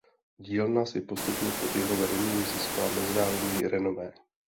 Dílna si postupně pod jeho vedením získala mezinárodní renomé.